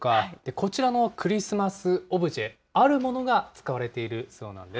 こちらのクリスマスオブジェ、あるものが使われているそうなんです。